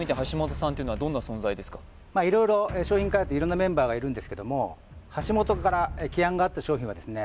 まあ色々商品開発色んなメンバーがいるんですけども橋本から起案があった商品はですね